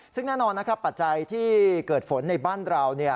ซึ่งแน่นอนนะครับปัจจัยที่เกิดฝนในบ้านเรา